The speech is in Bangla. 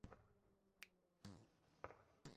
যুবকটি বেঙ্গল থিওজফিক্যাল সোসাইটির গৃহে থাকে।